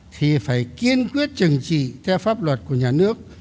thì phải kiên quyết trừng trị theo pháp luật của nhà nước